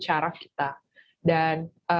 syaraf kita dan